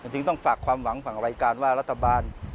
จริงต้องฝากความหวังฝากรายการว่ารัฐบาล